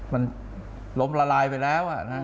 มันล้มละลายไปแล้ว